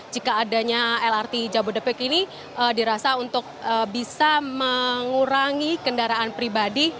jika adanya lrt jabodebek ini dirasa untuk bisa mengurangi kendaraan pribadi